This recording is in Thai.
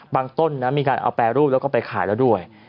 ต้นมีการเอาแปรรูปแล้วก็ไปขายแล้วด้วย